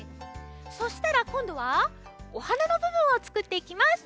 そしたらこんどはお花のぶぶんをつくっていきます。